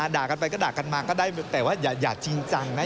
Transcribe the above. ด่ากันไปก็ด่ากันมาก็ได้แต่ว่าอย่าจริงจังนะ